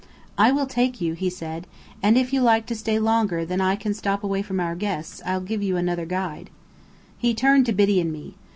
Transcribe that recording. "I will take you," he said. "And if you like to stay longer than I can stop away from our guests, I'll give you another guide." He turned to Biddy and me.